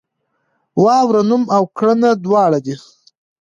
واوره نوم او کړنه دواړه دي.